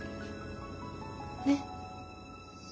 ねっ。